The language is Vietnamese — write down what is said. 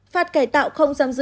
phạt cải tạo không giam giữ